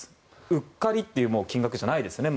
うっかりという金額じゃないですね。